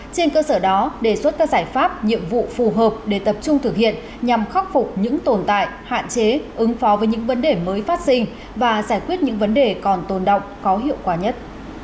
trên cơ sở đó đề xuất các giải pháp nhiệm vụ phù hợp để tập trung thực hiện nhằm khắc phục những tồn tại hạn chế ứng phó với những vấn đề mới phát sinh và giải quyết những vấn đề còn tồn động có hiệu quả nhất